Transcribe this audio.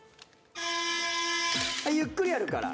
ゆっくりやるから。